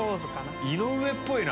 井上っぽいな。